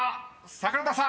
桜田さん